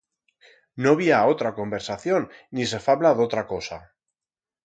No bi ha otra conversación ni se fabla d'otra cosa.